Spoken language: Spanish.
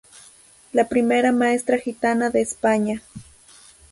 La primera maestra gitana de España.